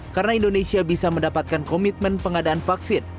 karena indonesia bisa mendapatkan komitmen pengadaan vaksin